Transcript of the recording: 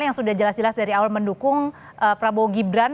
yang sudah jelas jelas dari awal mendukung prabowo gibran